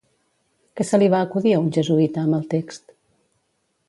Què se li va acudir a un jesuïta amb el text?